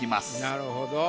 なるほど。